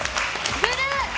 ブルー！